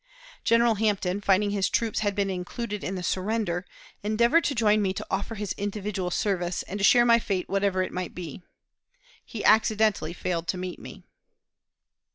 General Hampton, finding his troops had been included in the surrender, endeavored to join me to offer his individual service, and to share my fate whatever it might be. He accidentally failed to meet me.